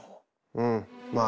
うんまあ。